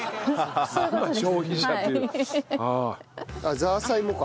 ザーサイもか。